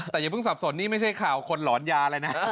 แต่อย่าเพิ่งสับสนนี่ไม่ใช่ข่าวคนหลอนยาเลยนะ